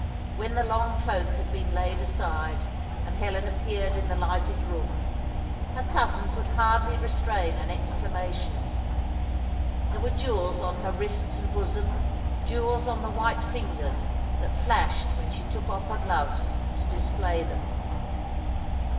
When the long cloak had been laid aside, and Helen appeared in the lighted room, her cousin could hardly restrain an exclamation. There were jewels on her wrists and bosom, jewels on the white fingers that flashed when she took off her gloves to display them.